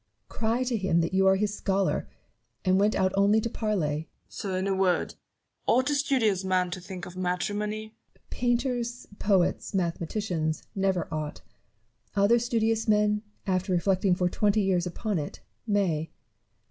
Cry to him that you are his scholar, and went out only to parley. Newton. Sir ! in a word — ought a studious man to think of matrimony ? Barrow. Painters, poets, mathematicians, never ought : other studious men, after reflecting for twenty years upon it, may.